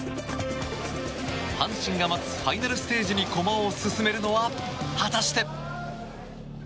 阪神が待つファイナルステージに駒を進めるのは果たして。